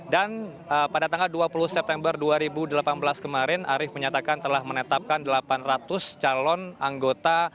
dan pada tanggal dua puluh september dua ribu delapan belas kemarin arief menyatakan telah menetapkan delapan ratus calon anggota